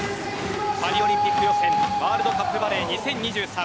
パリオリンピック予選ワールドカップバレー２０２３